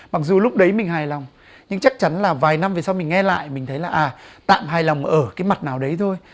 mặc dù lúc đấy mình hài lòng nhưng chắc chắn là vài năm về sau mình nghe lại mình thấy là à tạm hài lòng ở cái mặt nào đấy thôi